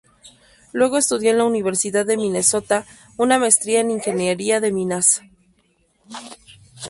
Luego estudió en la Universidad de Minnesota una maestría en Ingeniería de Minas.